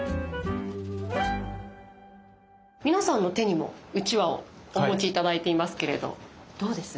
皆さんの手にもうちわをお持ち頂いていますけれどどうです？